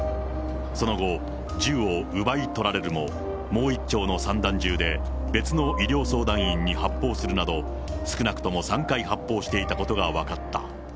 その後、銃を奪い取られるも、もう１丁の散弾銃で別の医療相談員に発砲するなど、少なくとも３回発砲していたことが分かった。